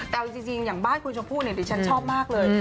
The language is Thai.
แต่จริงอย่างบ้านคุณชมพู่ดิฉันชอบมากเลย